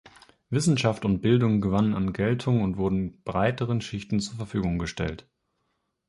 Wissenschaft und Bildung gewannen an Geltung und wurden breiteren Schichten zur Verfügung gestellt.